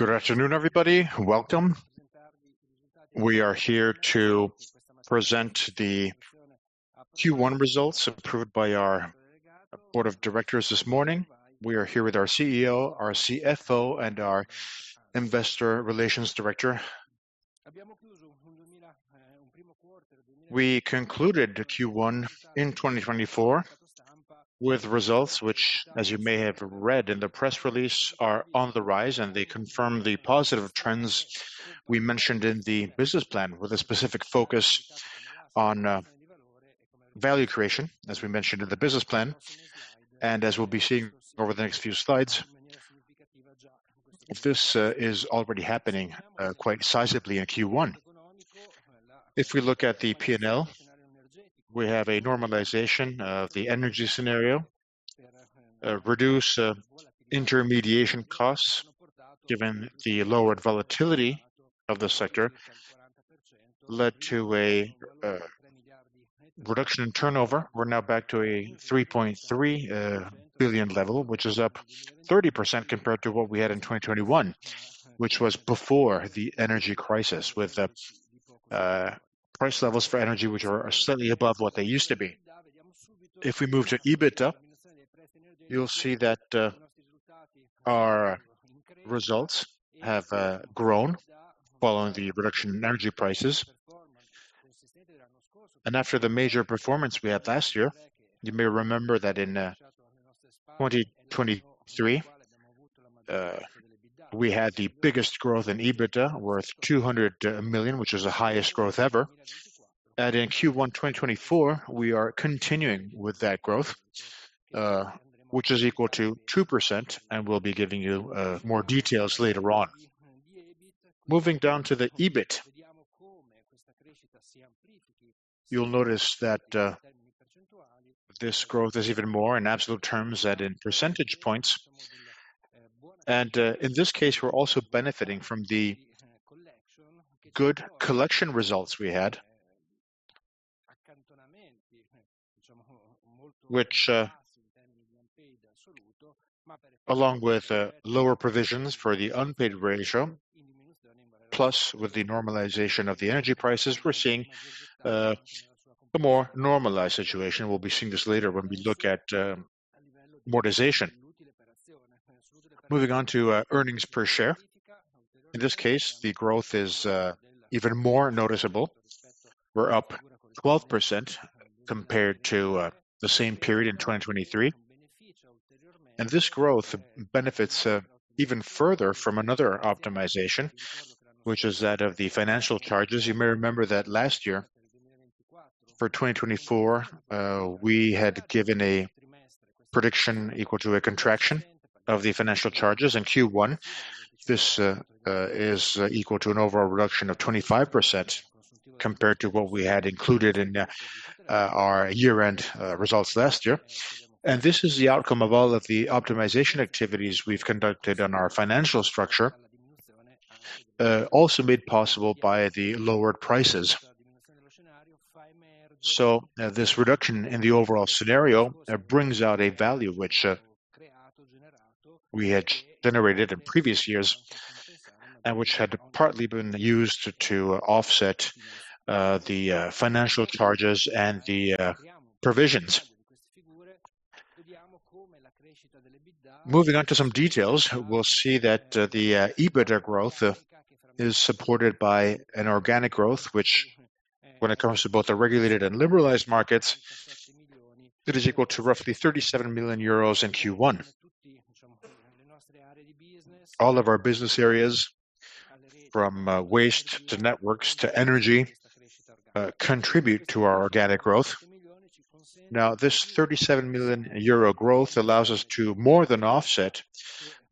Good afternoon, everybody. Welcome. We are here to present the Q1 results approved by our board of directors this morning. We are here with our CEO, our CFO, and our investor relations director. We concluded Q1 in 2024 with results which, as you may have read in the press release, are on the rise, and they confirm the positive trends we mentioned in the business plan with a specific focus on value creation, as we mentioned in the business plan, and as we'll be seeing over the next few slides. This is already happening quite sizably in Q1. If we look at the P&L, we have a normalization of the energy scenario, reduced intermediation costs given the lowered volatility of the sector led to a reduction in turnover. We're now back to a 3.3 billion level, which is up 30% compared to what we had in 2021, which was before the energy crisis with price levels for energy which are slightly above what they used to be. If we move to EBITDA, you'll see that our results have grown following the reduction in energy prices. After the major performance we had last year, you may remember that in 2023 we had the biggest growth in EBITDA worth 200 million, which is the highest growth ever. In Q1 2024, we are continuing with that growth, which is equal to 2%, and we'll be giving you more details later on. Moving down to the EBIT, you'll notice that this growth is even more in absolute terms than in percentage points. In this case, we're also benefiting from the good collection results we had, along with lower provisions for the unpaid ratio, plus with the normalization of the energy prices, we're seeing a more normalized situation. We'll be seeing this later when we look at amortization. Moving on to earnings per share. In this case, the growth is even more noticeable. We're up 12% compared to the same period in 2023. This growth benefits even further from another optimization, which is that of the financial charges. You may remember that last year for 2024, we had given a prediction equal to a contraction of the financial charges in Q1. This is equal to an overall reduction of 25% compared to what we had included in our year-end results last year. This is the outcome of all of the optimization activities we've conducted on our financial structure, also made possible by the lowered prices. This reduction in the overall scenario brings out a value which we had generated in previous years and which had partly been used to offset the financial charges and the provisions. Moving on to some details, we'll see that the EBITDA growth is supported by an organic growth which, when it comes to both the regulated and liberalized markets, is equal to roughly 37 million euros in Q1. All of our business areas, from waste to networks to energy, contribute to our organic growth. Now, this 37 million euro growth allows us to more than offset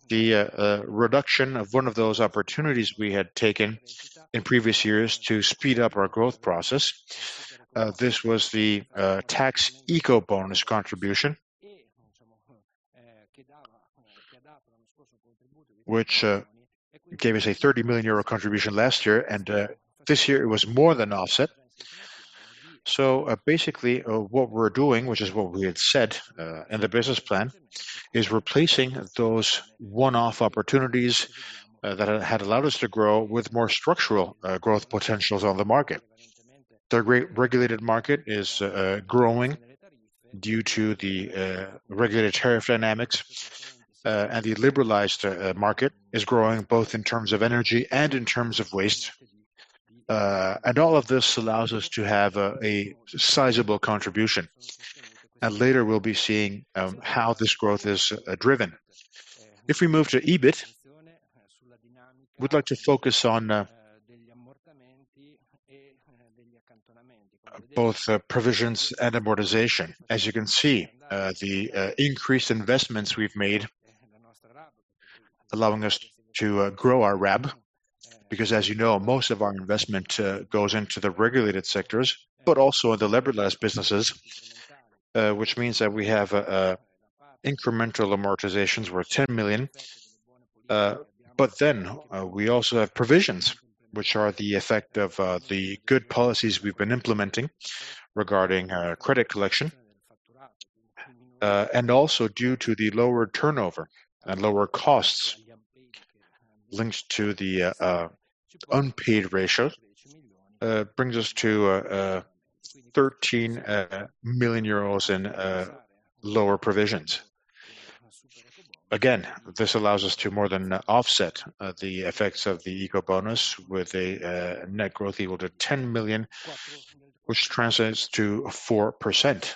the reduction of one of those opportunities we had taken in previous years to speed up our growth process. This was the Ecobonus contribution, which gave us a 30 million euro contribution last year, and this year it was more than offset. So basically, what we're doing, which is what we had said in the business plan, is replacing those one-off opportunities that had allowed us to grow with more structural growth potentials on the market. The regulated market is growing due to the regulated tariff dynamics, and the liberalized market is growing both in terms of energy and in terms of waste. And all of this allows us to have a sizable contribution. And later we'll be seeing how this growth is driven. If we move to EBIT, we'd like to focus on both provisions and amortization. As you can see, the increased investments we've made allowing us to grow our RAB because, as you know, most of our investment goes into the regulated sectors. But also in the liberalized businesses, which means that we have incremental amortizations worth 10 million. But then we also have provisions, which are the effect of the good policies we've been implementing regarding credit collection. And also due to the lower turnover and lower costs linked to the unpaid ratio, brings us to 13 million euros in lower provisions. Again, this allows us to more than offset the effects of the Ecobonus with a net growth equal to 10 million, which translates to 4%.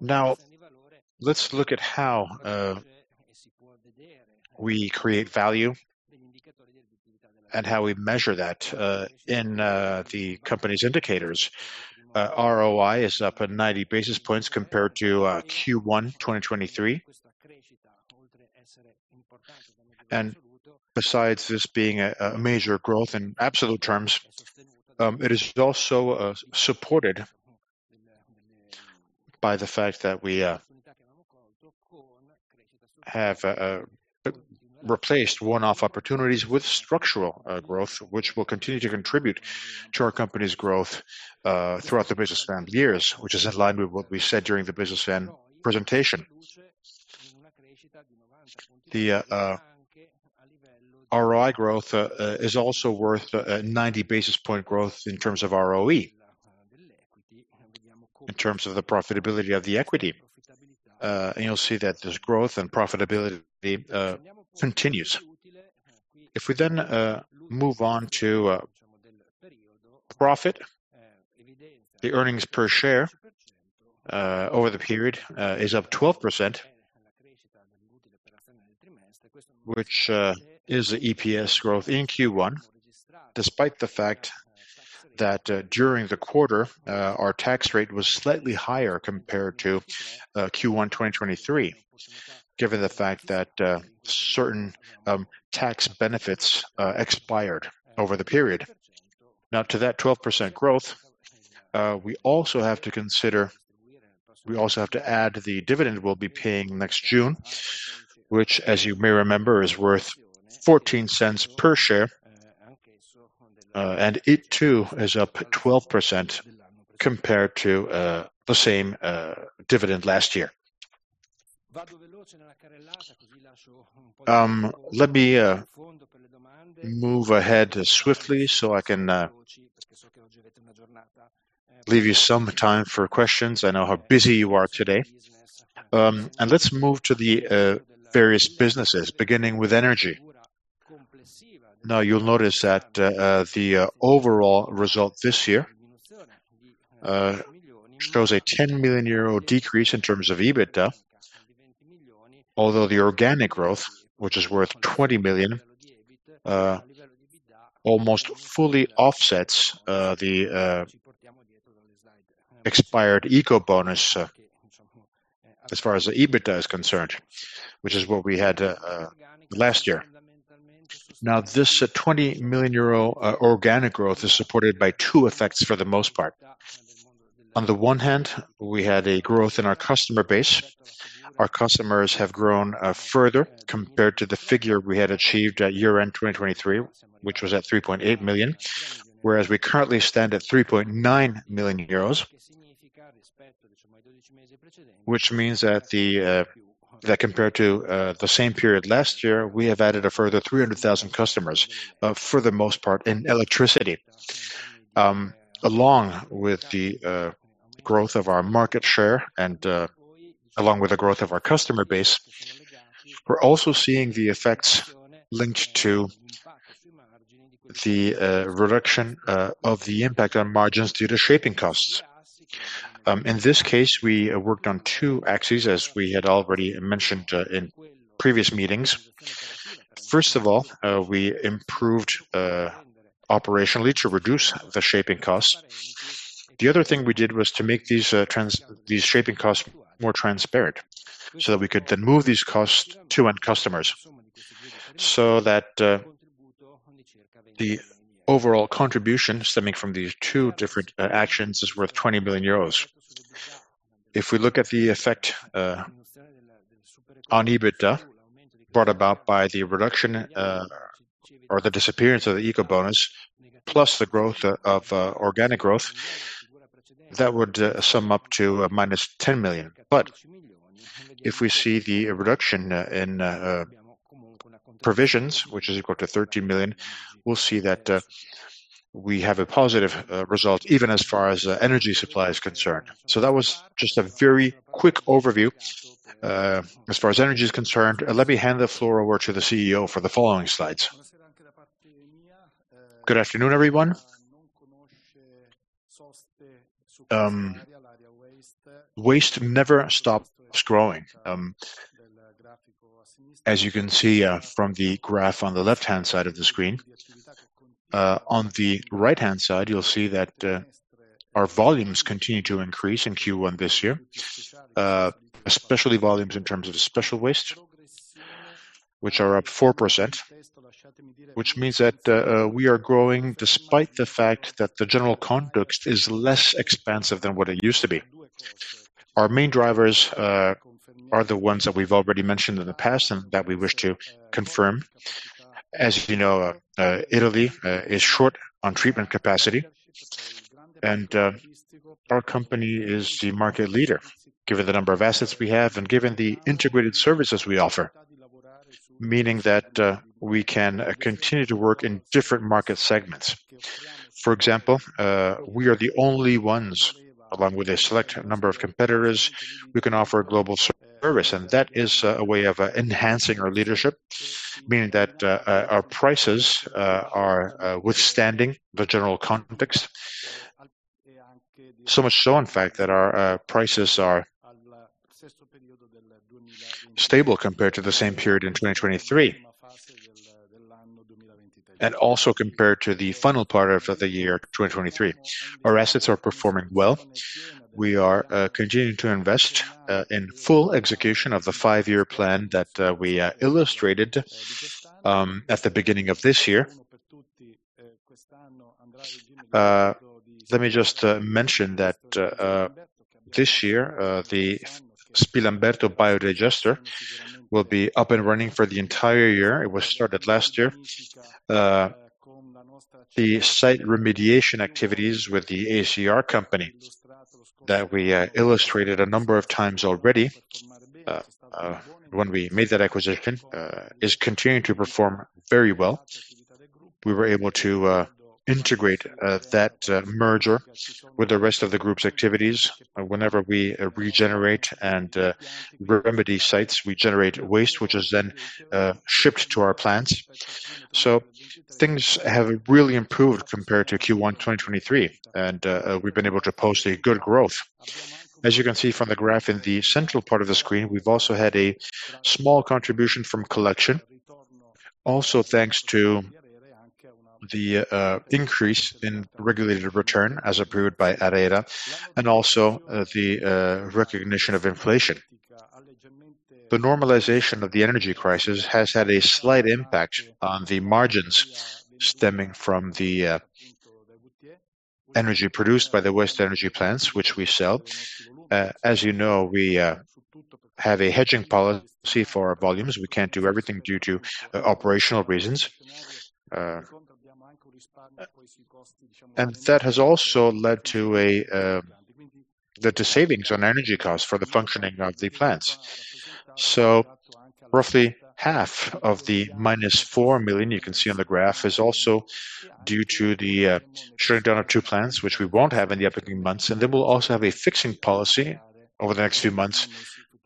Now, let's look at how we create value and how we measure that in the company's indicators. ROI is up 90 basis points compared to Q1 2023. Besides this being a major growth in absolute terms, it is also supported by the fact that we have replaced one-off opportunities with structural growth, which will continue to contribute to our company's growth throughout the business plan years, which is in line with what we said during the business plan presentation. ROI growth is also worth 90 basis points growth in terms of ROE in terms of the profitability of the equity. You'll see that this growth and profitability continues. If we then move on to profit, the earnings per share over the period is up 12%, which is EPS growth in Q1 despite the fact that during the quarter our tax rate was slightly higher compared to Q1 2023 given the fact that certain tax benefits expired over the period. Now, to that 12% growth, we also have to consider we also have to add the dividend we'll be paying next June, which, as you may remember, is worth 0.14 per share. It too is up 12% compared to the same dividend last year. Let me move ahead swiftly so I can leave you some time for questions. I know how busy you are today. Let's move to the various businesses, beginning with energy. Now, you'll notice that the overall result this year shows a 10 million euro decrease in terms of EBITDA, although the organic growth, which is worth 20 million, almost fully offsets the expired Ecobonus as far as EBITDA is concerned, which is what we had last year. Now, this 20 million euro organic growth is supported by two effects for the most part. On the one hand, we had a growth in our customer base. Our customers have grown further compared to the figure we had achieved at year-end 2023, which was at 3.8 million, whereas we currently stand at 3.9 million, which means that compared to the same period last year, we have added a further 300,000 customers, for the most part, in electricity. Along with the growth of our market share and along with the growth of our customer base, we're also seeing the effects linked to the reduction of the impact on margins due to shaping costs. In this case, we worked on 2 axes, as we had already mentioned in previous meetings. First of all, we improved operationally to reduce the shaping costs. The other thing we did was to make these shaping costs more transparent so that we could then move these costs to end customers so that the overall contribution stemming from these two different actions is worth 20 million euros. If we look at the effect on EBITDA brought about by the reduction or the disappearance of the Ecobonus plus the growth of organic growth, that would sum up to -10 million. But if we see the reduction in provisions, which is equal to 13 million, we'll see that we have a positive result even as far as energy supply is concerned. So that was just a very quick overview as far as energy is concerned. Let me hand the floor over to the CEO for the following slides. Good afternoon, everyone. Waste never stops growing. As you can see from the graph on the left-hand side of the screen, on the right-hand side, you'll see that our volumes continue to increase in Q1 this year, especially volumes in terms of special waste, which are up 4%, which means that we are growing despite the fact that the general conduct is less expansive than what it used to be. Our main drivers are the ones that we've already mentioned in the past and that we wish to confirm. As you know, Italy is short on treatment capacity. Our company is the market leader given the number of assets we have and given the integrated services we offer, meaning that we can continue to work in different market segments. For example, we are the only ones, along with a select number of competitors, who can offer a global service. That is a way of enhancing our leadership, meaning that our prices are withstanding the general context. So much so, in fact, that our prices are stable compared to the same period in 2023 and also compared to the final part of the year 2023. Our assets are performing well. We are continuing to invest in full execution of the five-year plan that we illustrated at the beginning of this year. Let me just mention that this year, the Spilamberto biodigester will be up and running for the entire year. It was started last year. The site remediation activities with the ACR that we illustrated a number of times already when we made that acquisition is continuing to perform very well. We were able to integrate that merger with the rest of the group's activities. Whenever we regenerate and remedy sites, we generate waste, which is then shipped to our plants. So things have really improved compared to Q1 2023, and we've been able to post a good growth. As you can see from the graph in the central part of the screen, we've also had a small contribution from collection, also thanks to the increase in regulated return as approved by ARERA and also the recognition of inflation. The normalization of the energy crisis has had a slight impact on the margins stemming from the energy produced by the waste-to-energy plants, which we sell. As you know, we have a hedging policy for our volumes. We can't do everything due to operational reasons. That has also led to the savings on energy costs for the functioning of the plants. So roughly half of the -4 million you can see on the graph is also due to the shutting down of two plants, which we won't have in the upcoming months. Then we'll also have a fixing policy over the next few months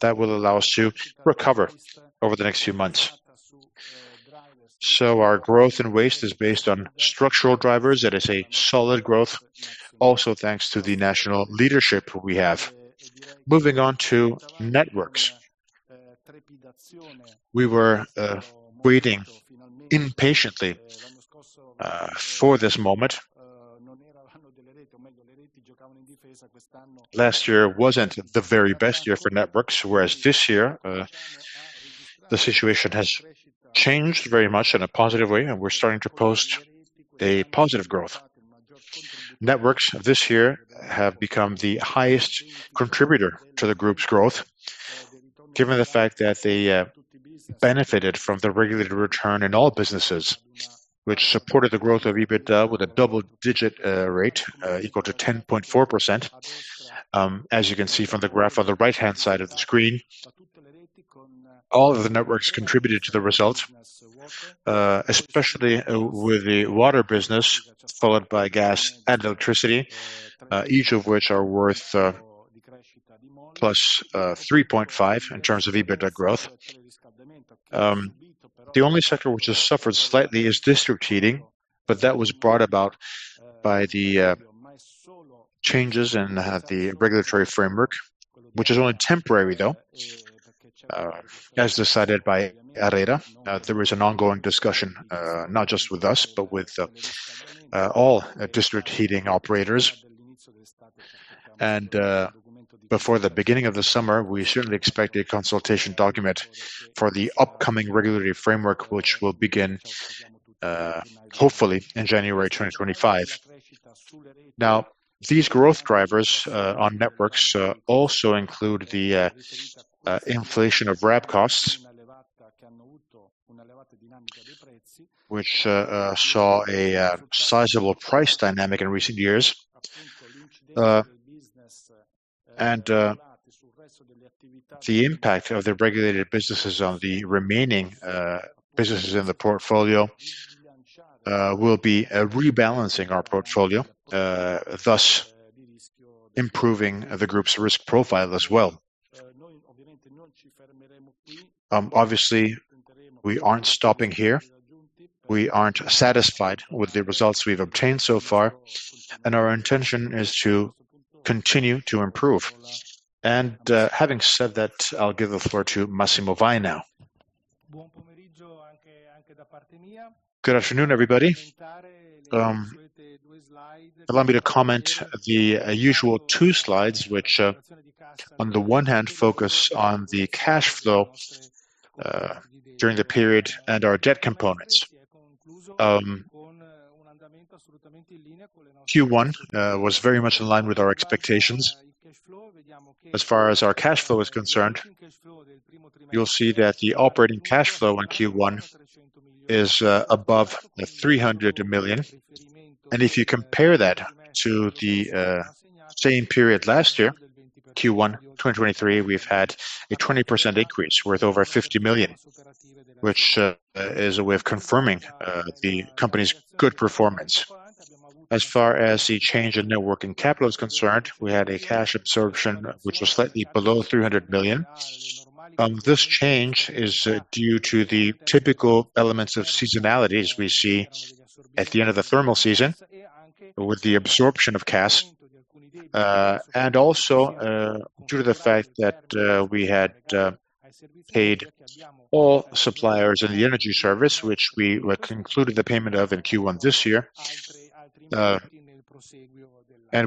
that will allow us to recover over the next few months. Our growth in waste is based on structural drivers. That is a solid growth, also thanks to the national leadership we have. Moving on to networks. We were waiting impatiently for this moment. Last year wasn't the very best year for networks, whereas this year, the situation has changed very much in a positive way, and we're starting to post a positive growth. Networks this year have become the highest contributor to the group's growth given the fact that they benefited from the regulated return in all businesses, which supported the growth of EBITDA with a double-digit rate equal to 10.4%. As you can see from the graph on the right-hand side of the screen, all of the networks contributed to the results, especially with the water business followed by gas and electricity, each of which are worth +3.5 in terms of EBITDA growth. The only sector which has suffered slightly is district heating. But that was brought about by the changes in the regulatory framework, which is only temporary, though, as decided by ARERA. There is an ongoing discussion, not just with us, but with all district heating operators. Before the beginning of the summer, we certainly expect a consultation document for the upcoming regulatory framework, which will begin, hopefully, in January 2025. Now, these growth drivers on networks also include the inflation of RAB costs, which saw a sizable price dynamic in recent years. And the impact of the regulated businesses on the remaining businesses in the portfolio will be rebalancing our portfolio, thus improving the group's risk profile as well. Obviously, we aren't stopping here. We aren't satisfied with the results we've obtained so far, and our intention is to continue to improve. And having said that, I'll give the floor to Massimo now. Good afternoon, everybody. Allow me to comment the usual two slides, which on the one hand focus on the cash flow during the period and our debt components. Q1 was very much in line with our expectations. As far as our cash flow is concerned, you'll see that the operating cash flow in Q1 is above 300 million. If you compare that to the same period last year, Q1 2023, we've had a 20% increase worth over 50 million, which is a way of confirming the company's good performance. As far as the change in net working capital is concerned, we had a cash absorption, which was slightly below 300 million. This change is due to the typical elements of seasonality as we see at the end of the thermal season with the absorption of cash and also due to the fact that we had paid all suppliers in the energy service, which we concluded the payment of in Q1 this year.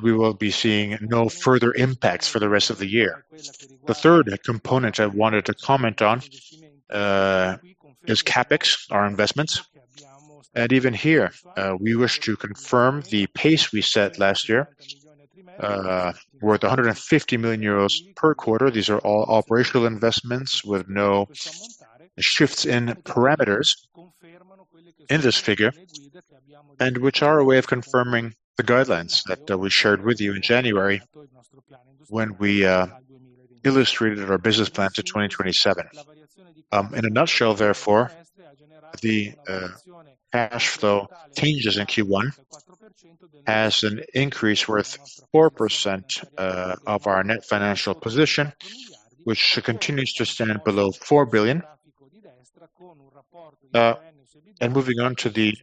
We will be seeing no further impacts for the rest of the year. The third component I wanted to comment on is CAPEX, our investments. Even here, we wish to confirm the pace we set last year worth 150 million euros per quarter. These are all operational investments with no shifts in parameters in this figure and which are a way of confirming the guidelines that we shared with you in January when we illustrated our business plan to 2027. In a nutshell, therefore, the cash flow changes in Q1 has an increase worth 4% of our net financial position, which continues to stand below 4 billion. Moving on to the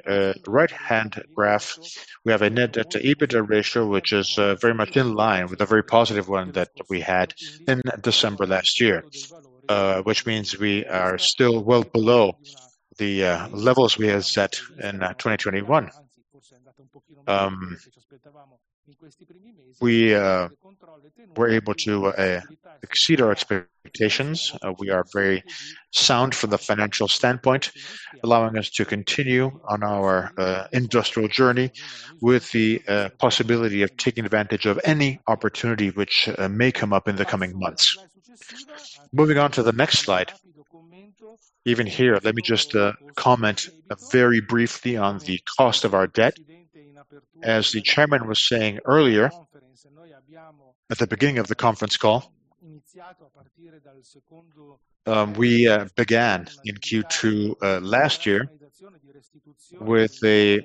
right-hand graph, we have a net debt to EBITDA ratio, which is very much in line with a very positive one that we had in December last year, which means we are still well below the levels we had set in 2021. We were able to exceed our expectations. We are very sound from the financial standpoint, allowing us to continue on our industrial journey with the possibility of taking advantage of any opportunity which may come up in the coming months. Moving on to the next slide, even here, let me just comment very briefly on the cost of our debt. As the chairman was saying earlier at the beginning of the conference call, we began in Q2 last year with a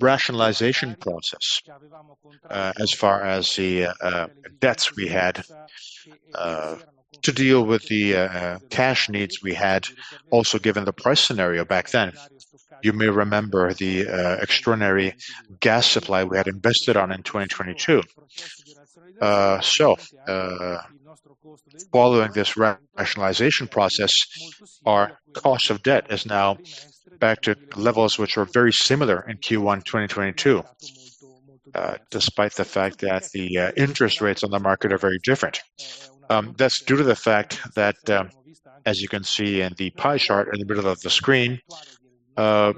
rationalization process as far as the debts we had to deal with the cash needs we had, also given the price scenario back then. You may remember the extraordinary gas supply we had invested on in 2022. So following this rationalization process, our cost of debt is now back to levels which are very similar in Q1 2022 despite the fact that the interest rates on the market are very different. That's due to the fact that, as you can see in the pie chart in the middle of the screen, our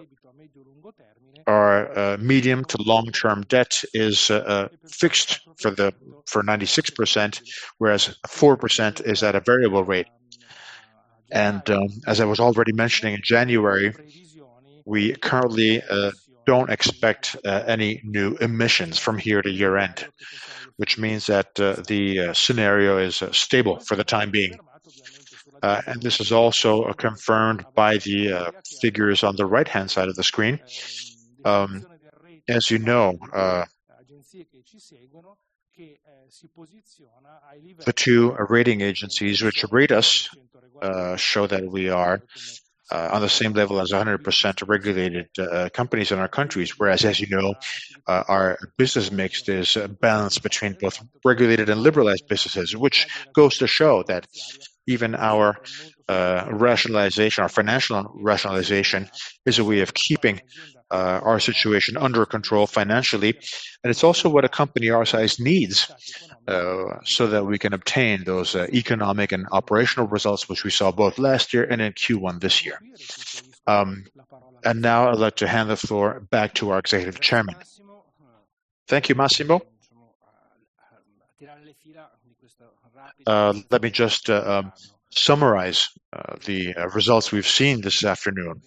medium- to long-term debt is fixed for 96%, whereas 4% is at a variable rate. As I was already mentioning in January, we currently don't expect any new emissions from here to year-end, which means that the scenario is stable for the time being. This is also confirmed by the figures on the right-hand side of the screen. As you know, the two rating agencies which rate us show that we are on the same level as 100% regulated companies in our countries, whereas, as you know, our business mix is balanced between both regulated and liberalized businesses, which goes to show that even our rationalization, our financial rationalization, is a way of keeping our situation under control financially. It's also what a company our size needs so that we can obtain those economic and operational results, which we saw both last year and in Q1 this year. Now I'd like to hand the floor back to our executive chairman. Thank you, Massimo. Let me just summarize the results we've seen this afternoon.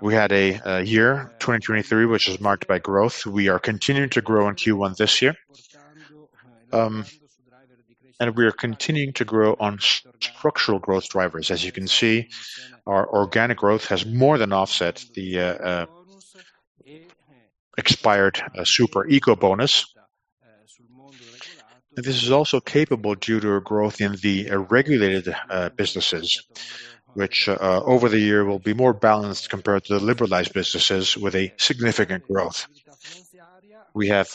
We had a year, 2023, which is marked by growth. We are continuing to grow in Q1 this year. We are continuing to grow on structural growth drivers. As you can see, our organic growth has more than offset the expired Super Ecobonus. This is also capable due to our growth in the regulated businesses, which over the year will be more balanced compared to the liberalized businesses with a significant growth. We have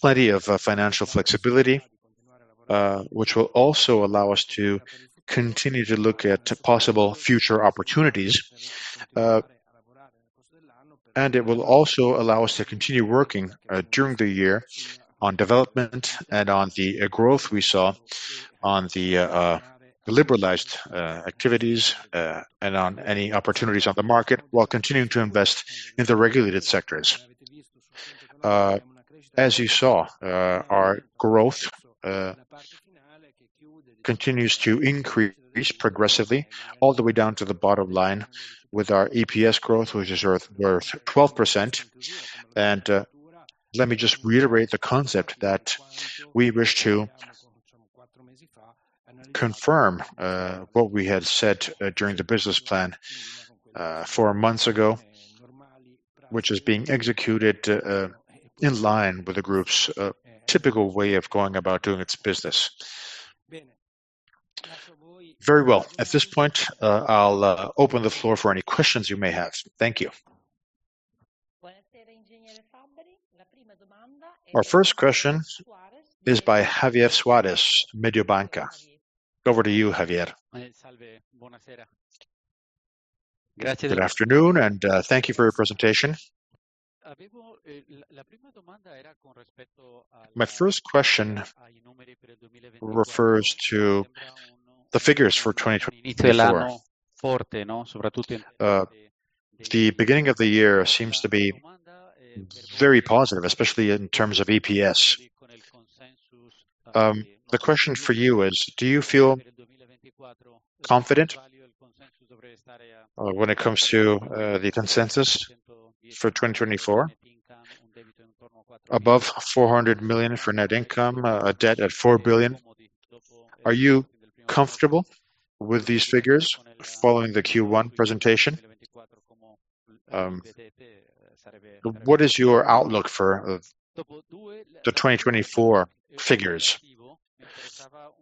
plenty of financial flexibility, which will also allow us to continue to look at possible future opportunities. And it will also allow us to continue working during the year on development and on the growth we saw on the liberalized activities and on any opportunities on the market while continuing to invest in the regulated sectors. As you saw, our growth continues to increase progressively all the way down to the bottom line with our EPS growth, which is worth 12%. And let me just reiterate the concept that we wish to confirm what we had said during the business plan four months ago, which is being executed in line with the group's typical way of going about doing its business. Very well. At this point, I'll open the floor for any questions you may have. Thank you. Our first question is by Javier Suárez, Mediobanca. Over to you, Javier. Good afternoon, and thank you for your presentation. My first question refers to the figures for 2024. The beginning of the year seems to be very positive, especially in terms of EPS. The question for you is, do you feel confident when it comes to the consensus for 2024 above 400 million for net income, a debt at 4 billion? Are you comfortable with these figures following the Q1 presentation? What is your outlook for the 2024 figures?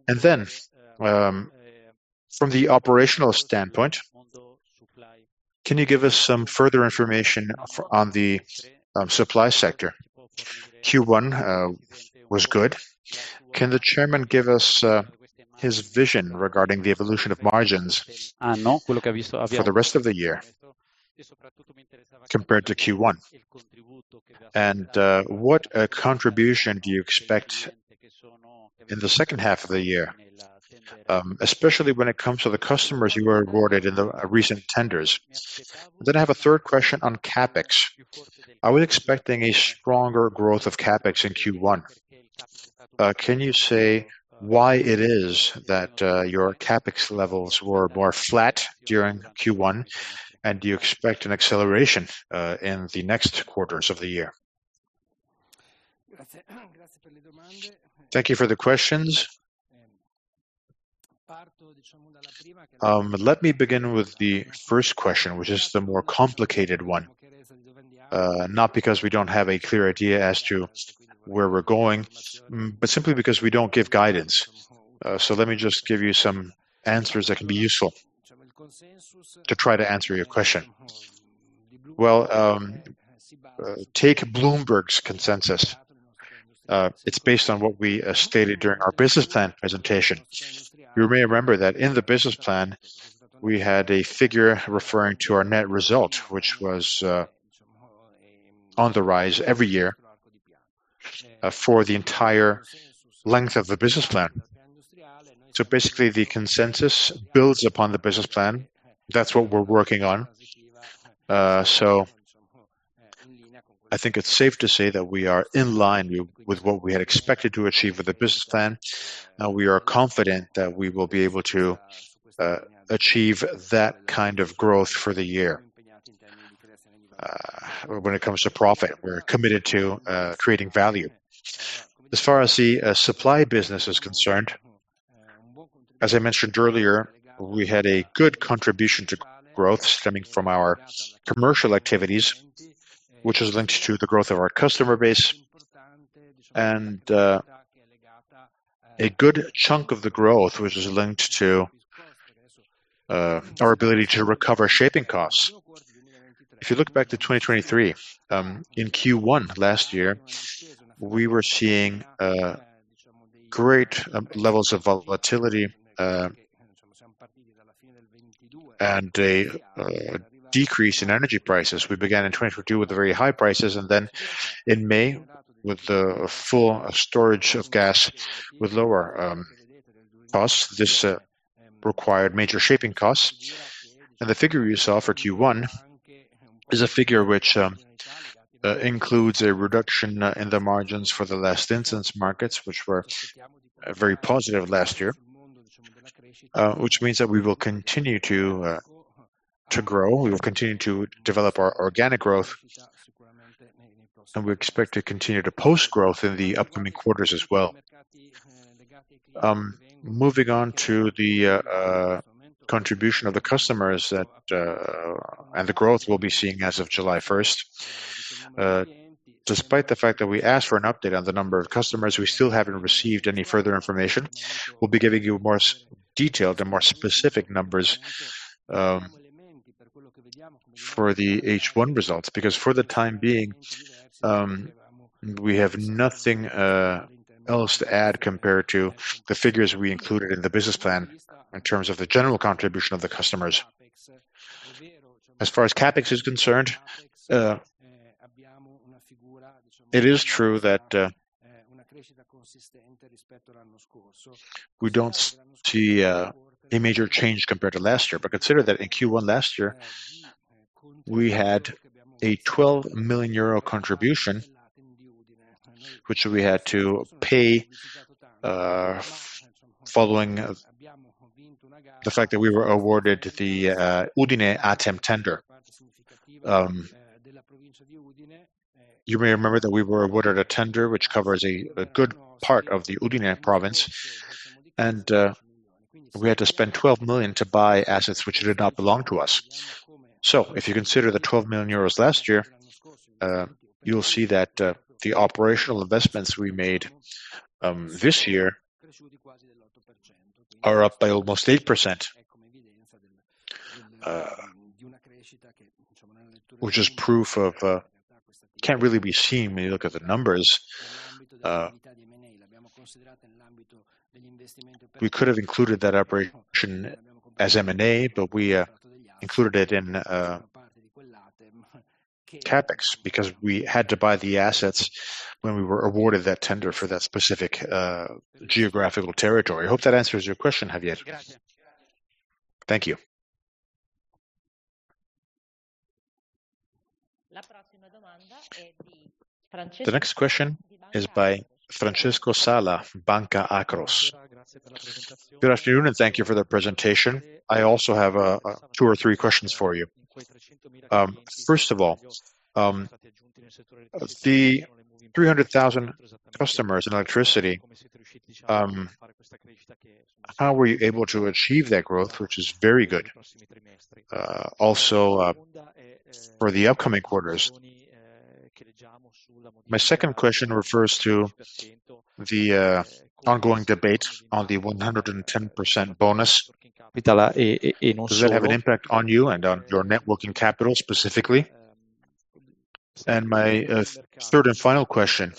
From the operational standpoint, can you give us some further information on the supply sector? Q1 was good. Can the chairman give us his vision regarding the evolution of margins for the rest of the year compared to Q1? What contribution do you expect in the second half of the year, especially when it comes to the customers you were awarded in the recent tenders? I have a third question on CAPEX. I was expecting a stronger growth of CAPEX in Q1. Can you say why it is that your CAPEX levels were more flat during Q1, and do you expect an acceleration in the next quarters of the year? Thank you for the questions. Let me begin with the first question, which is the more complicated one, not because we don't have a clear idea as to where we're going, but simply because we don't give guidance. So let me just give you some answers that can be useful to try to answer your question. Well, take Bloomberg's consensus. It's based on what we stated during our business plan presentation. You may remember that in the business plan, we had a figure referring to our net result, which was on the rise every year for the entire length of the business plan. So basically, the consensus builds upon the business plan. That's what we're working on. So I think it's safe to say that we are in line with what we had expected to achieve with the business plan. Now, we are confident that we will be able to achieve that kind of growth for the year when it comes to profit. We're committed to creating value. As far as the supply business is concerned, as I mentioned earlier, we had a good contribution to growth stemming from our commercial activities, which was linked to the growth of our customer base and a good chunk of the growth, which is linked to our ability to recover shaping costs. If you look back to 2023, in Q1 last year, we were seeing great levels of volatility and a decrease in energy prices. We began in 2022 with very high prices, and then in May, with the full storage of gas with lower costs, this required major shaping costs. The figure you saw for Q1 is a figure which includes a reduction in the margins for the last instance markets, which were very positive last year, which means that we will continue to grow. We will continue to develop our organic growth, and we expect to continue to post-growth in the upcoming quarters as well. Moving on to the contribution of the customers and the growth we'll be seeing as of July 1st. Despite the fact that we asked for an update on the number of customers, we still haven't received any further information. We'll be giving you more detailed and more specific numbers for the H1 results because for the time being, we have nothing else to add compared to the figures we included in the business plan in terms of the general contribution of the customers. As far as CAPEX is concerned, it is true that we don't see a major change compared to last year, but consider that in Q1 last year, we had a 12 million euro contribution, which we had to pay following the fact that we were awarded the Udine ATEM tender. You may remember that we were awarded a tender which covers a good part of the Udine province, and we had to spend 12 million to buy assets which did not belong to us. So if you consider the 12 million euros last year, you'll see that the operational investments we made this year are up by almost 8%, which is proof of can't really be seen when you look at the numbers. We could have included that operation as M&A, but we included it in CAPEX because we had to buy the assets when we were awarded that tender for that specific geographical territory. I hope that answers your question, Javier. Thank you. The next question is by Francesco Sala, Banca Akros. Good afternoon, and thank you for the presentation. I also have two or three questions for you. First of all, the 300,000 customers in electricity, how were you able to achieve that growth, which is very good, also for the upcoming quarters? My second question refers to the ongoing debate on the 110% bonus. Does that have an impact on you and on your net working capital specifically? And my third and final question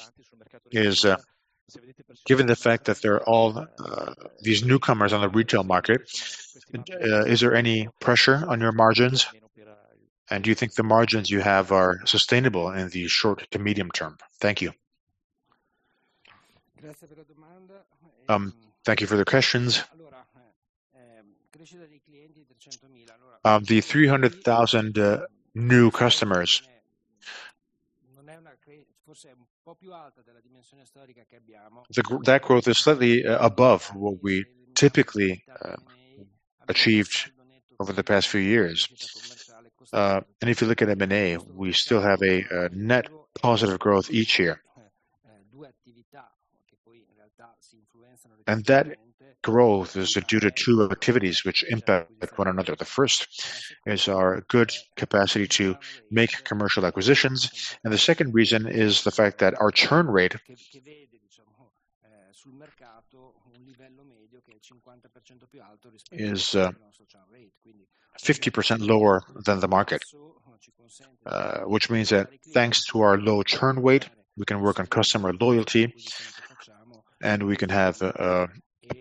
is, given the fact that there are all these newcomers on the retail market, is there any pressure on your margins? And do you think the margins you have are sustainable in the short to medium term? Thank you. Thank you for the questions. The 300,000 new customers, perhaps it's a bit more than the historical dimension that we have. That growth is slightly above what we typically achieved over the past few years. And if you look at M&A, we still have a net positive growth each year. And that growth is due to two activities which impact one another. The first is our good capacity to make commercial acquisitions. The second reason is the fact that our churn rate is 50% lower than the market, which means that thanks to our low churn rate, we can work on customer loyalty, and we can have a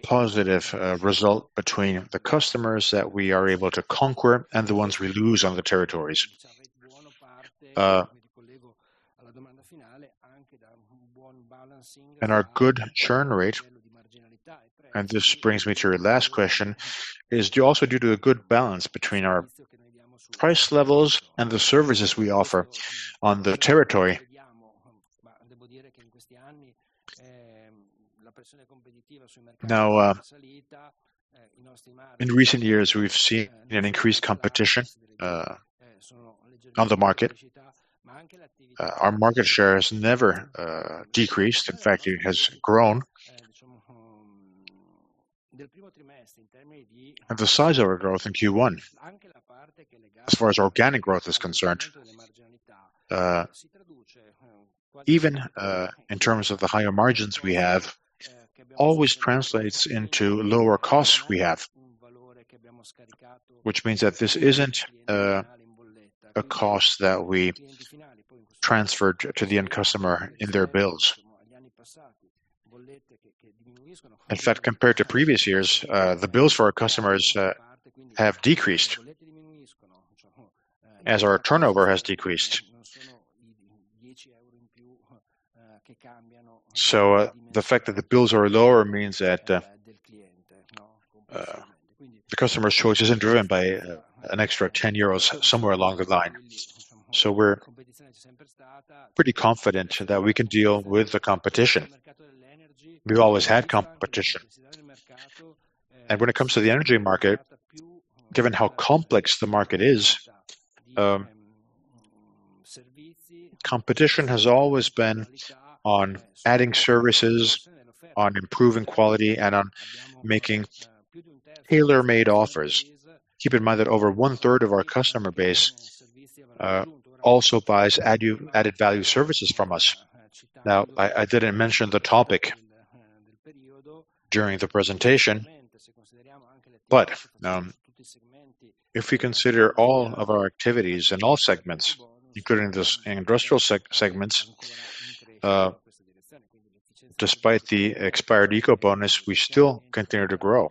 positive result between the customers that we are able to conquer and the ones we lose on the territories. Our good churn rate, and this brings me to your last question, is also due to a good balance between our price levels and the services we offer on the territory. In recent years, we've seen an increased competition on the market, but our market share has never decreased. In fact, it has grown in terms of the size of our growth in Q1. As far as organic growth is concerned, even in terms of the higher margins we have, it always translates into lower costs we have, which means that this isn't a cost that we transferred to the end customer in their bills. In fact, compared to previous years, the bills for our customers have decreased as our turnover has decreased. So the fact that the bills are lower means that the customer's choice isn't driven by an extra 10 euros somewhere along the line. So we're pretty confident that we can deal with the competition. We've always had competition. And when it comes to the energy market, given how complex the market is, competition has always been on adding services, on improving quality, and on making tailor-made offers. Keep in mind that over one-third of our customer base also buys added-value services from us. Now, I didn't mention the topic during the presentation, but if we consider all of our activities and all segments, including the industrial segments, despite the expired Ecobonus, we still continue to grow.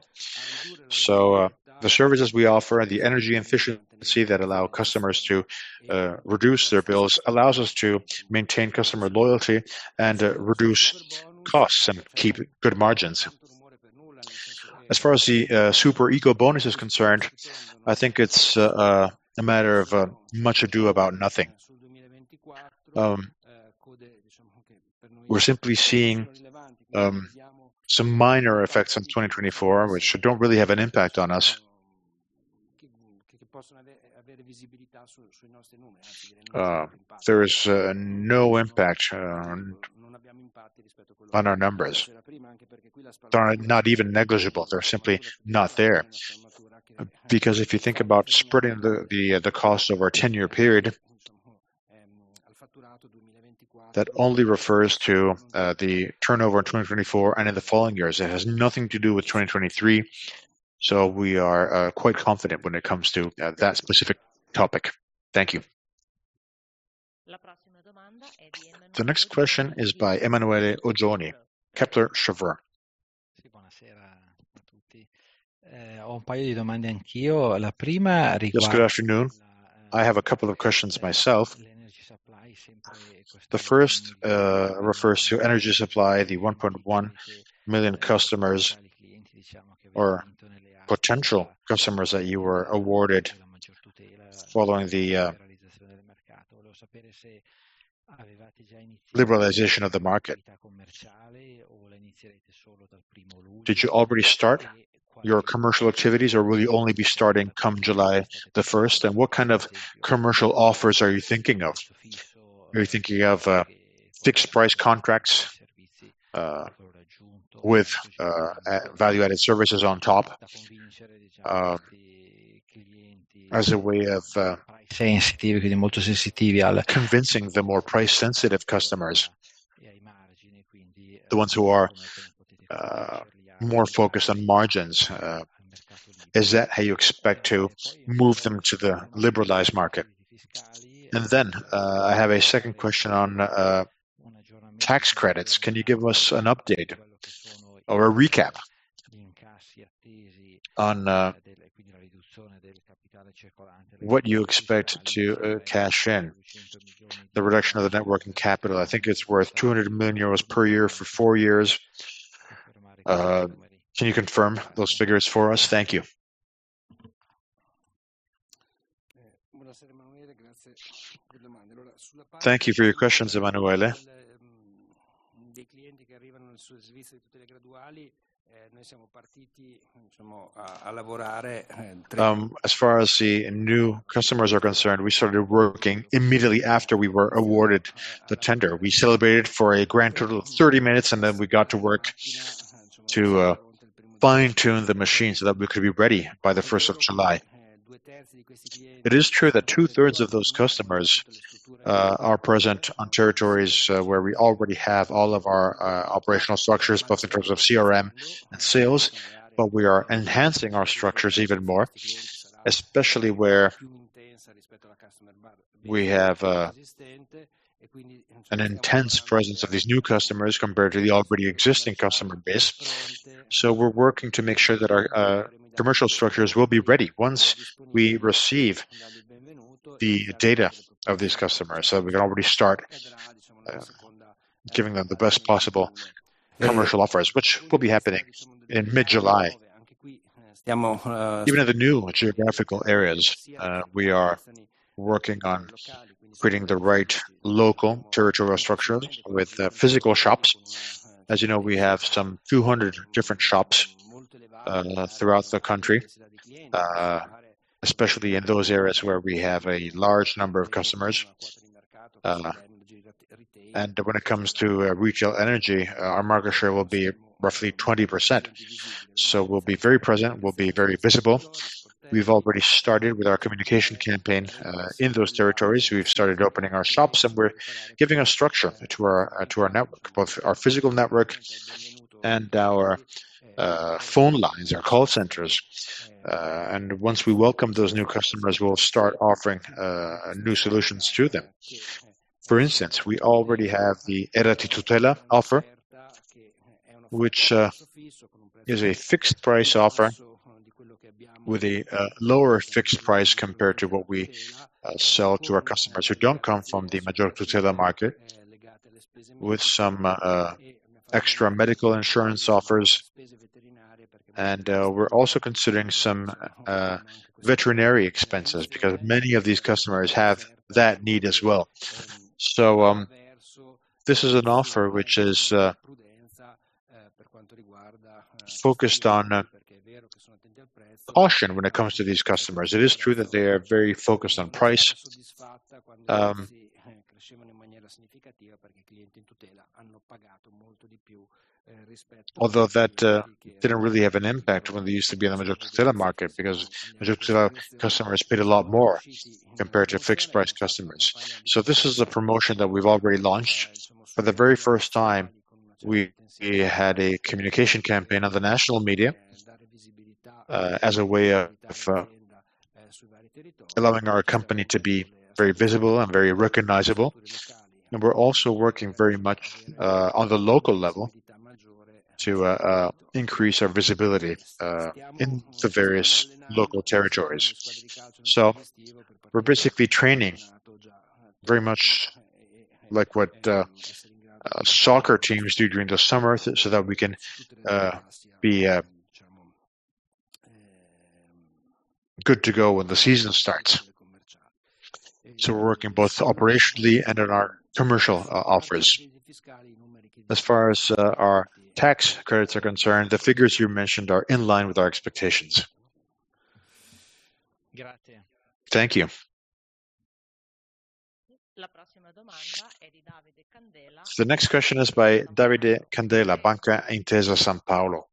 So the services we offer and the energy efficiency that allow customers to reduce their bills allows us to maintain customer loyalty and reduce costs and keep good margins. As far as the Superbonus is concerned, I think it's a matter of much ado about nothing. We're simply seeing some minor effects in 2024, which don't really have an impact on us. There is no impact on our numbers. They're not even negligible. They're simply not there because if you think about spreading the cost over a 10-year period, that only refers to the turnover in 2024 and in the following years. It has nothing to do with 2023. So we are quite confident when it comes to that specific topic. Thank you. The next question is by Emanuele Oggioni, Kepler Cheuvreux. The first refers to energy supply, the 1.1 million customers or potential customers that you were awarded following the liberalization of the market, or will you already start your commercial activities, or will you only be starting come July 1st? And what kind of commercial offers are you thinking of? Are you thinking of fixed-price contracts with value-added services on top as a way of convincing the more price-sensitive customers, the ones who are more focused on margins? Is that how you expect to move them to the liberalized market? And then I have a second question on tax credits. Can you give us an update or a recap on what you expect to cash in, the reduction of the net working capital? I think it's worth 200 million euros per year for four years. Can you confirm those figures for us? Thank you. Thank you for your questions, Emanuele. As far as the new customers are concerned, we started working immediately after we were awarded the tender. We celebrated for a grand total of 30 minutes, and then we got to work to fine-tune the machine so that we could be ready by the 1st of July. It is true that two-thirds of those customers are present on territories where we already have all of our operational structures, both in terms of CRM and sales, but we are enhancing our structures even more, especially where we have an intense presence of these new customers compared to the already existing customer base. So we're working to make sure that our commercial structures will be ready once we receive the data of these customers so that we can already start giving them the best possible commercial offers, which will be happening in mid-July. Even in the new geographical areas, we are working on creating the right local territorial structures with physical shops. As you know, we have some 200 different shops throughout the country, especially in those areas where we have a large number of customers. And when it comes to retail energy, our market share will be roughly 20%. So we'll be very present. We'll be very visible. We've already started with our communication campaign in those territories. We've started opening our shops, and we're giving a structure to our network, both our physical network and our phone lines, our call centers. Once we welcome those new customers, we'll start offering new solutions to them. For instance, we already have the Hera Ti Tutela offer, which is a fixed-price offer with a lower fixed price compared to what we sell to our customers who don't come from the Maggior Tutela market, with some extra medical insurance offers. And we're also considering some veterinary expenses because many of these customers have that need as well. So this is an offer which is focused on caution when it comes to these customers. It is true that they are very focused on price. Although that didn't really have an impact when they used to be in the Maggior Tutela market because Maggior Tutela customers paid a lot more compared to fixed-price customers. So this is a promotion that we've already launched. For the very first time, we had a communication campaign on the national media as a way of allowing our company to be very visible and very recognizable. We're also working very much on the local level to increase our visibility in the various local territories. We're basically training very much like what soccer teams do during the summer so that we can be good to go when the season starts. We're working both operationally and in our commercial offers. As far as our tax credits are concerned, the figures you mentioned are in line with our expectations. Thank you. The next question is by Davide Candela, Intesa Sanpaolo.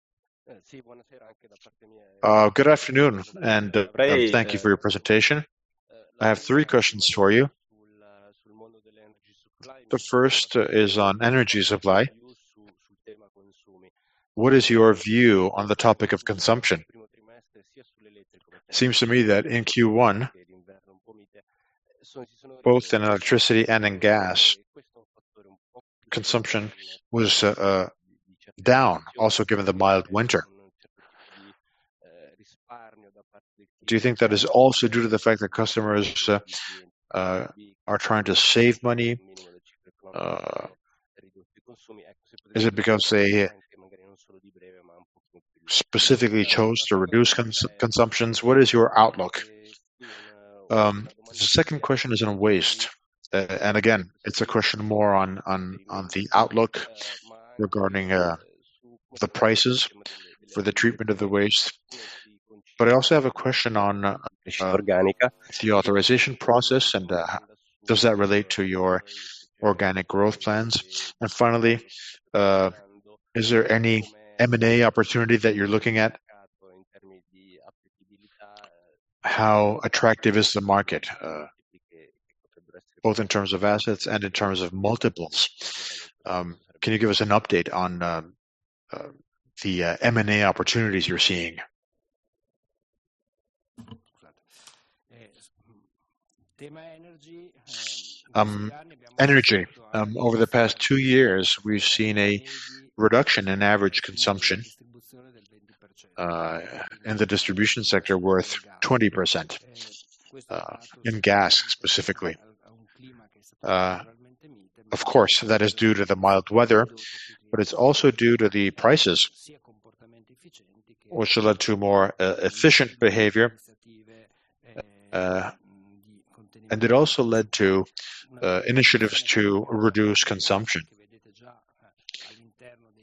Good afternoon, and thank you for your presentation. I have three questions for you. The first is on energy supply. What is your view on the topic of consumption? It seems to me that in Q1, both in electricity and in gas, consumption was down, also given the mild winter. Do you think that is also due to the fact that customers are trying to save money? Specifically chose to reduce consumptions. What is your outlook? The second question is on waste. Again, it's a question more on the outlook regarding the prices for the treatment of the waste. But I also have a question on the authorization process, and does that relate to your organic growth plans? Finally, is there any M&A opportunity that you're looking at? How attractive is the market, both in terms of assets and in terms of multiples? Can you give us an update on the M&A opportunities you're seeing? Energy. Over the past two years, we've seen a reduction in average consumption in the distribution sector worth 20% in gas, specifically. Of course, that is due to the mild weather, but it's also due to the prices, which led to more efficient behavior. And it also led to initiatives to reduce consumption.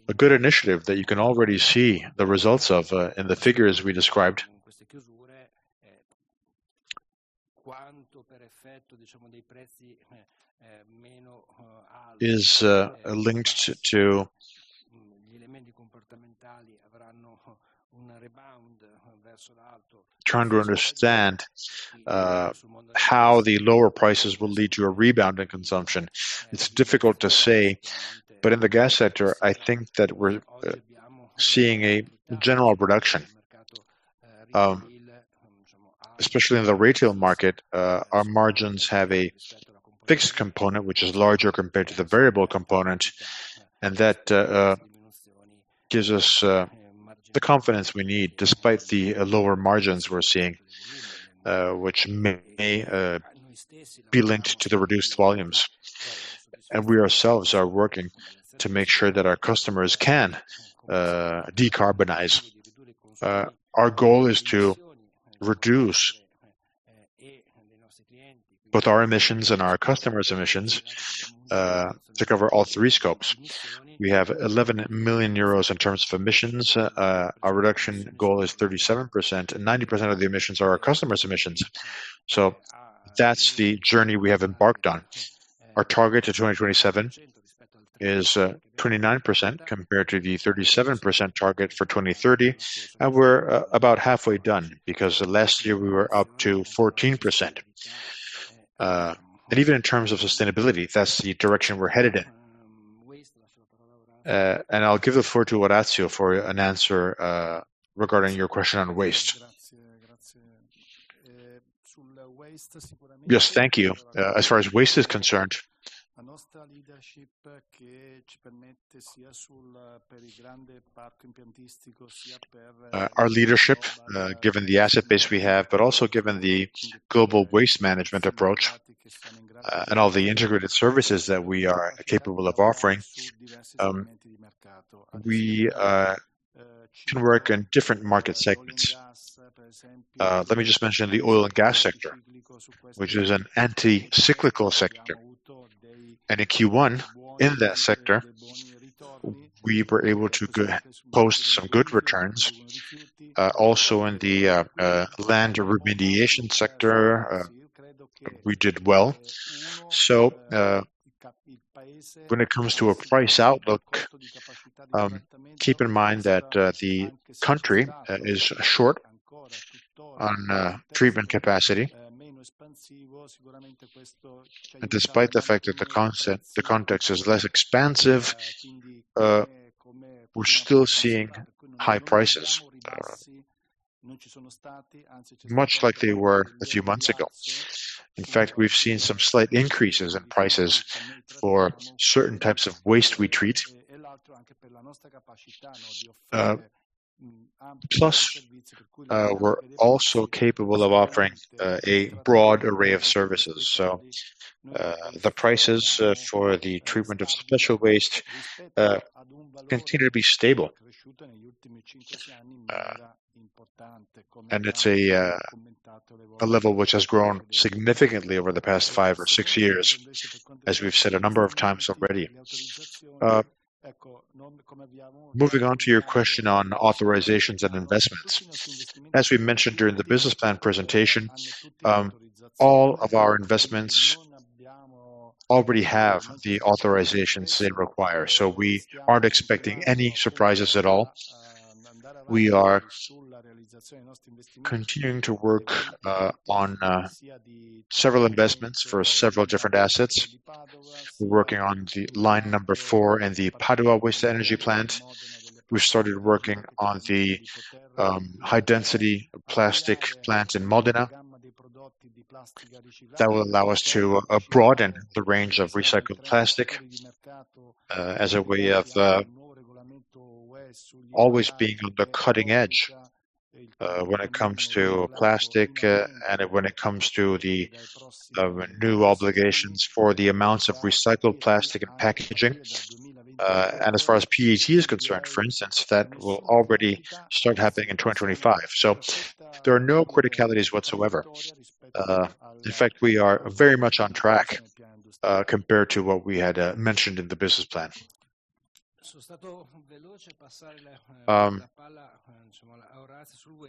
A good initiative that you can already see the results of in the figures we described is linked to trying to understand how the lower prices will lead to a rebound in consumption. It's difficult to say, but in the gas sector, I think that we're seeing a general reduction. Especially in the retail market, our margins have a fixed component, which is larger compared to the variable component. And that gives us the confidence we need despite the lower margins we're seeing, which may be linked to the reduced volumes. And we ourselves are working to make sure that our customers can decarbonize. Our goal is to reduce both our emissions and our customers' emissions to cover all three scopes. We have 11 million euros in terms of emissions. Our reduction goal is 37%, and 90% of the emissions are our customers' emissions. So that's the journey we have embarked on. Our target to 2027 is 29% compared to the 37% target for 2030. We're about halfway done because last year we were up to 14%. Even in terms of sustainability, that's the direction we're headed in. I'll give the floor to Orazio for an answer regarding your question on waste. Yes, thank you. As far as waste is concerned, our leadership, given the asset base we have, but also given the global waste management approach and all the integrated services that we are capable of offering, we can work in different market segments. Let me just mention the oil and gas sector, which is an anti-cyclical sector. In Q1, in that sector, we were able to post some good returns. Also in the land remediation sector, we did well. When it comes to a price outlook, keep in mind that the country is short on treatment capacity. Despite the fact that the context is less expansive, we're still seeing high prices, much like they were a few months ago. In fact, we've seen some slight increases in prices for certain types of waste we treat. Plus, we're also capable of offering a broad array of services. The prices for the treatment of special waste continue to be stable. It's a level which has grown significantly over the past five or six years, as we've said a number of times already. Moving on to your question on authorizations and investments. As we mentioned during the business plan presentation, all of our investments already have the authorizations they require. So we aren't expecting any surprises at all. We are continuing to work on several investments for several different assets. We're working on line number 4 in the Padua Waste Energy Plant. We've started working on the high-density plastic plant in Modena. That will allow us to broaden the range of recycled plastic as a way of always being on the cutting edge when it comes to plastic and when it comes to the new obligations for the amounts of recycled plastic and packaging. And as far as PET is concerned, for instance, that will already start happening in 2025. So there are no criticalities whatsoever. In fact, we are very much on track compared to what we had mentioned in the business plan.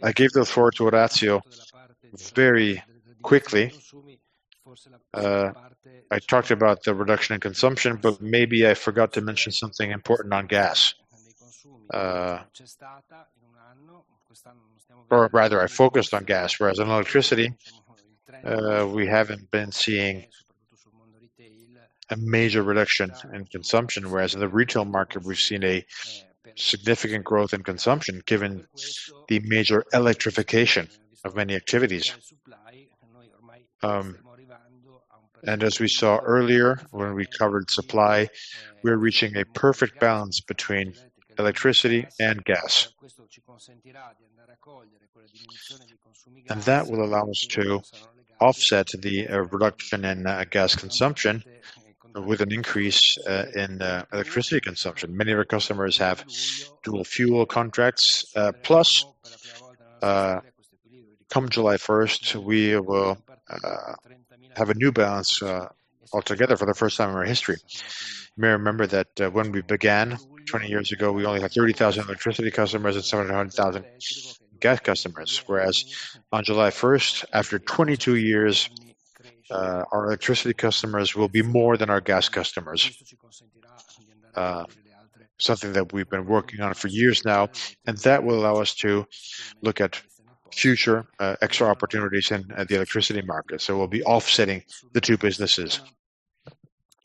I gave the floor to Orazio very quickly. I talked about the reduction in consumption, but maybe I forgot to mention something important on gas. Or rather, I focused on gas. Whereas on electricity, we haven't been seeing a major reduction in consumption. Whereas in the retail market, we've seen a significant growth in consumption given the major electrification of many activities. As we saw earlier when we covered supply, we're reaching a perfect balance between electricity and gas. That will allow us to offset the reduction in gas consumption with an increase in electricity consumption. Many of our customers have dual fuel contracts. Plus, come July 1st, we will have a new balance altogether for the first time in our history. You may remember that when we began 20 years ago, we only had 30,000 electricity customers and 700,000 gas customers. Whereas on July 1st, after 22 years, our electricity customers will be more than our gas customers. Something that we've been working on for years now. That will allow us to look at future extra opportunities in the electricity market. We'll be offsetting the two businesses.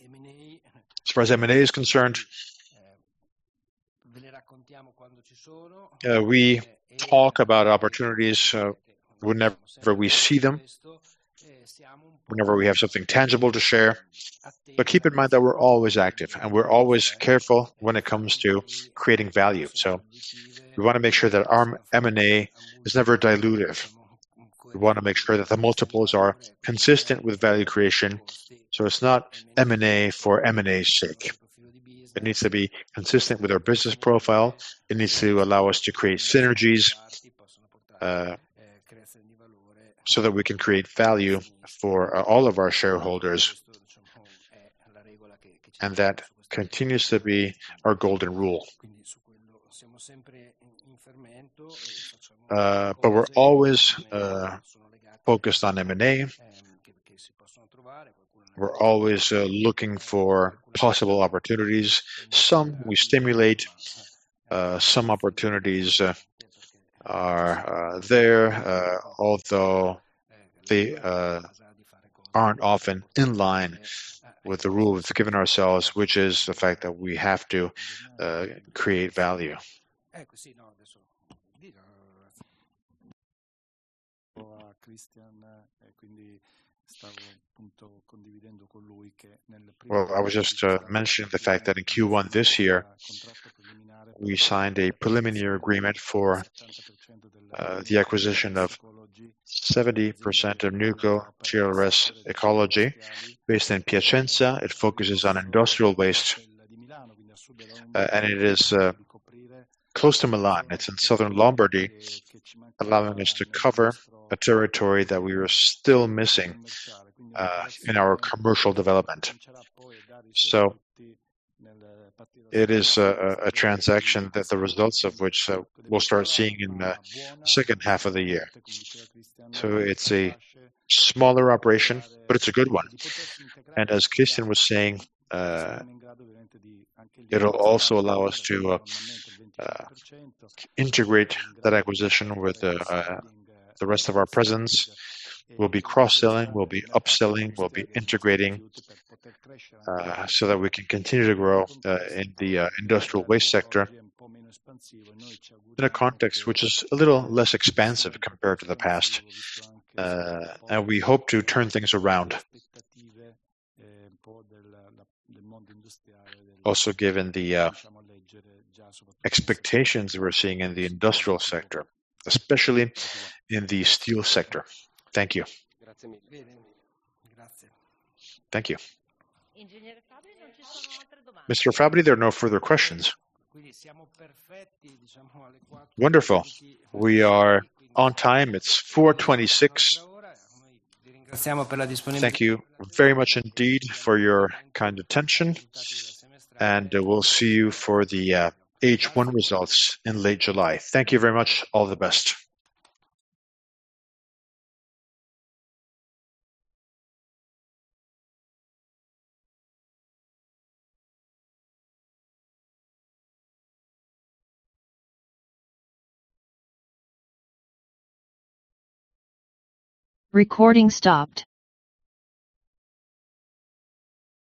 As far as M&A is concerned, we talk about opportunities whenever we see them, whenever we have something tangible to share. Keep in mind that we're always active, and we're always careful when it comes to creating value. We want to make sure that our M&A is never dilutive. We want to make sure that the multiples are consistent with value creation. It's not M&A for M&A's sake. It needs to be consistent with our business profile. It needs to allow us to create synergies so that we can create value for all of our shareholders. That continues to be our golden rule. We're always focused on M&A. We're always looking for possible opportunities. Some we stimulate. Some opportunities are there, although they aren't often in line with the rule we've given ourselves, which is the fact that we have to create value. Well, I was just mentioning the fact that in Q1 this year, we signed a preliminary agreement for the acquisition of 70% of TRS Ecologia based in Piacenza. It focuses on industrial waste. It is close to Milan. It's in southern Lombardy, allowing us to cover a territory that we were still missing in our commercial development. It is a transaction that the results of which we'll start seeing in the second half of the year. So it's a smaller operation, but it's a good one. And as Cristian was saying, it'll also allow us to integrate that acquisition with the rest of our presence. We'll be cross-selling. We'll be upselling. We'll be integrating so that we can continue to grow in the industrial waste sector in a context which is a little less expansive compared to the past. And we hope to turn things around, also given the expectations we're seeing in the industrial sector, especially in the steel sector. Thank you. Thank you. Mr. Fabbri, there are no further questions. Wonderful. We are on time. It's 4:26 P.M. Thank you very much indeed for your kind attention. And we'll see you for the H1 results in late July. Thank you very much. All the best. Recording stopped.